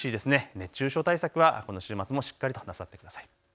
熱中症対策はこの週末もしっかりとなさってください。